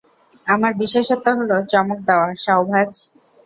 আমার বিশেষত্ব হলো চমক দেওয়া, সাওভ্যাজ।